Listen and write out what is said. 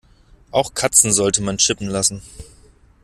Auch Katzen sollte man chippen lassen.